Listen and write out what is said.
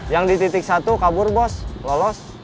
yang di titik satu kabur bos lolos